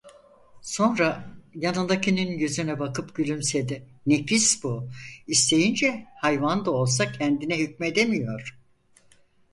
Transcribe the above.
Sonra yanındakinin yüzüne bakıp gülümsedi: "Nefis bu, isteyince hayvan da olsa kendine hükmedemiyor."